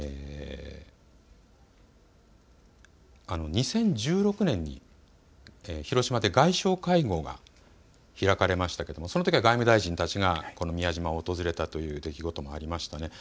２０１６年に広島で外相会合が開かれましたけど、そのときは外務大臣たちがこの宮島を訪れたという出来事もありました。